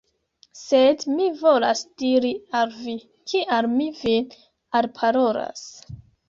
Sed mi volas diri al vi, kial mi vin alparolas.